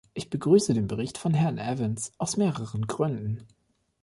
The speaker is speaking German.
Ich begrüße den Bericht von Herrn Evans aus mehreren Gründen.